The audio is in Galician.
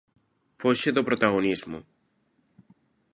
Foxe do protagonismo.